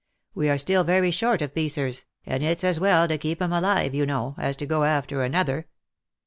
We are still very short of piecers, and it's as well to keep him alive, you know, as to go after another."